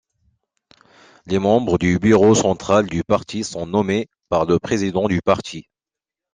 Les membres du bureau central du parti sont nommés par le président du parti.